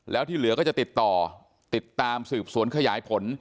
แล้วที่เหลือก็จะติดต่อติดตามสืบสวนขยายผล